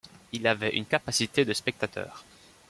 Il avait une capacité de spectateurs.